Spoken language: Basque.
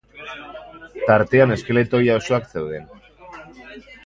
Tartean eskeleto ia osoak zeuden.